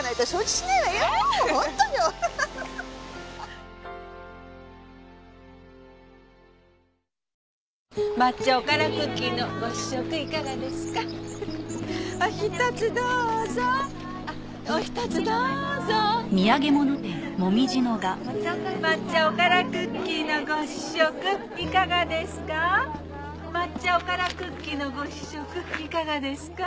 抹茶おからクッキーのご試食いかがですか？